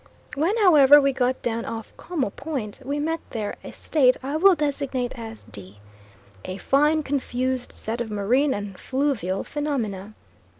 When, however, we got down off 'Como Point, we met there a state I will designate as D a fine confused set of marine and fluvial phenomena.